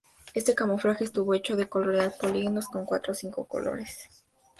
Este camuflaje estuvo hecho de colored polígonos de cuatro o cinco colores.